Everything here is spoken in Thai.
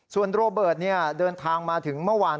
ส่วนโรเบิร์ตเดินทางมาถึงเมื่อวาน